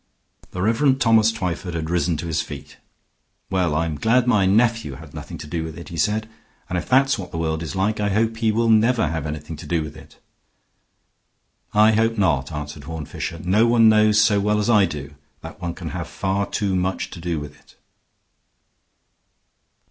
The Rev. Thomas Twyford had risen to his feet. "Well, I'm glad my nephew had nothing to do with it," he said. "And if that's what the world is like, I hope he will never have anything to do with it." "I hope not," answered Horne Fisher. "No one knows so well as I do that one can have far too much to do with it."